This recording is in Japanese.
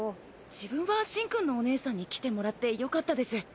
自分はシンくんのお姉さんに来てもらってよかったです。